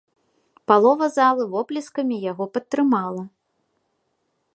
Палова залы воплескамі яго падтрымала.